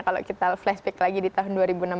kalau kita flashback lagi di tahun dua ribu enam belas